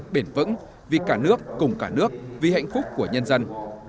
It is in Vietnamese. bền vững vì cả nước cùng cả nước vì hạnh phúc của nhân dân